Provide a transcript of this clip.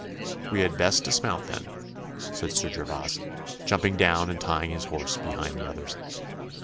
'We had best dismount, then,' said Sir Gervas, jumping down and tying his horse beside the others.